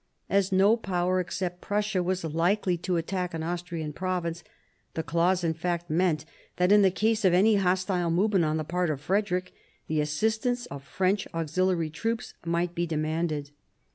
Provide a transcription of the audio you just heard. As no Power except Prussia was likely to attack an Austrian province, the clause in fact meant that in the case of any hostile movement on the part of Frederick, the assistance of French auxiliary troops might be demanded.